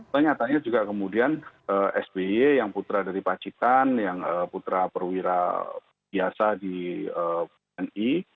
ternyatanya juga kemudian sby yang putra dari pacitan yang putra perwira biasa di pni